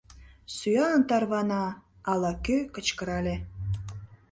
— Сӱан тарвана! — ала-кӧ кычкырале.